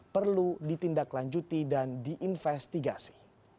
perlu ditindaklanjuti dan diinvestigasi